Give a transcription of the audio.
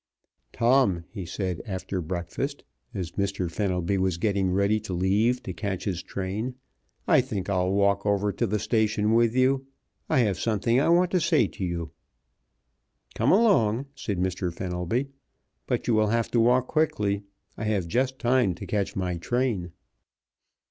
"Tom," he said, after breakfast, as Mr. Fenelby was getting ready to leave to catch his train, "I think I'll walk over to the station with you. I have something I want to say to you." "Come along," said Mr. Fenelby. "But you will have to walk quickly. I have just time to catch my train."